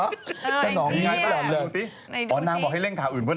สนองนี้หล่ำเลยน้องมีความหิวนี่ดูสิอ๋อนางบอกให้เร่งข่าวอื่นเพื่อน